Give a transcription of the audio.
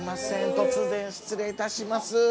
突然失礼いたします。